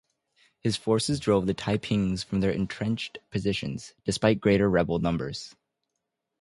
His forces drove the Taipings from their entrenched positions, despite greater rebel numbers.